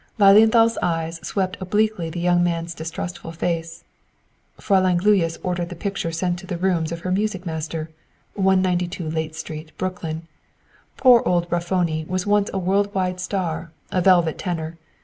Lilienthal's eyes swept obliquely the young man's distrustful face. "Fräulein Gluyas ordered the picture sent to the rooms of her music master, 192 Layte Street, Brooklyn. Poor old Raffoni was once a world wide star, a velvet tenor.